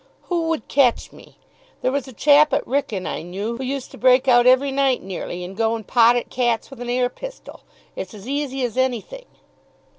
"Who would catch me? There was a chap at Wrykyn I knew who used to break out every night nearly and go and pot at cats with an air pistol; it's as easy as anything."